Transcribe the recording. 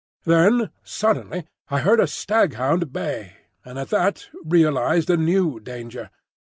Then suddenly I heard a staghound bay, and at that realised a new danger.